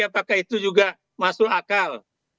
apakah itu juga masuk akal